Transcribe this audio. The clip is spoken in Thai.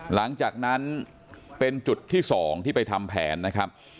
หลังจากนั้นเป็นจุดที่๒ที่ไปทำแผนนะครับ